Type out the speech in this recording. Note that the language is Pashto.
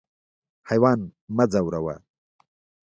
حیوان مه ځوروه.